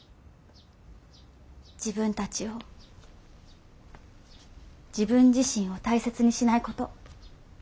自分たちを自分自身を大切にしないこと。